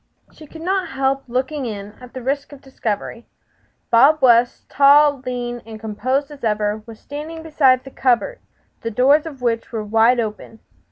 She could not help looking in, at the risk of discovery. Bob West tall, lean and composed as ever was standing beside the cupboard, the doors of which were wide open.